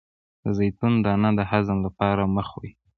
د زیتون دانه د هضم لپاره مه خورئ